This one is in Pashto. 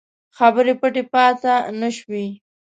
خبرې پټې پاته نه شوې.